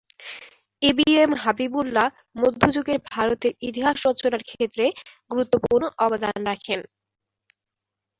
এ B M Habibullah মধ্যযুগের ভারতের ইতিহাস রচনার ক্ষেত্রে গুরুত্বপূর্ণ অবদান রাখেন।